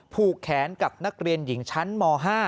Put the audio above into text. ผูกแขนกับนักเรียนหญิงชั้นม๕